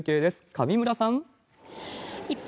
上村さん。